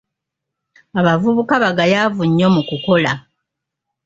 Abavubuka bagayaavu nnyo mu kukola.